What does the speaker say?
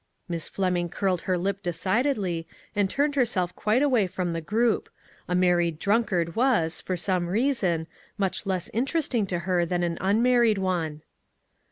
Miss Fleming curled her lip decidedly, and turned herself quite away from the group; a married drunkard was, for some reason, much less interesting to her than an unmarried one.